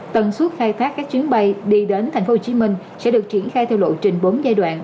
tần suất khai thác các chuyến bay đi đến tp hcm sẽ được triển khai theo lộ trình bốn giai đoạn